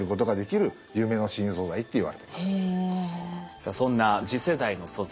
さあそんな次世代の素材